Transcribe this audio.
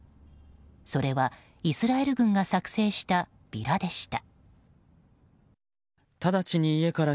それは、イスラエル軍が作成したビラでした。